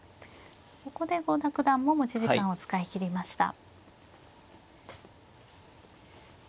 ここで郷田九段も持ち時間を使い切りました。